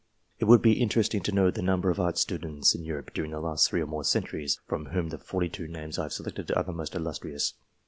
It would be interesting to know the number of art students in Europe during the last three or more centuries, from whom the forty two names I have selected are the 240 PAINTERS most illustrious.